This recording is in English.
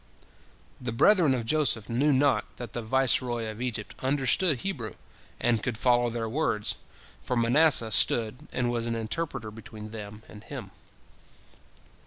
The brethren of Joseph knew not that the viceroy of Egypt understood Hebrew, and could follow their words, for Manasseh stood and was an interpreter between them and him.